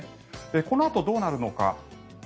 このあと、どうなるのか。